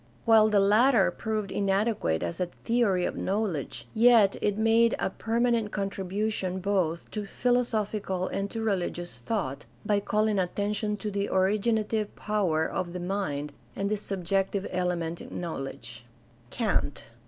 While the latter proved inadequate as a theory of knowledge, yet it made a perma nent contribution both to philosophical and to religious thought by calling attention to the originative power of the mind and the subjective element in knowledge. Kant.